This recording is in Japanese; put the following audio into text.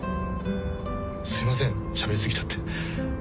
すいませんしゃべりすぎちゃって。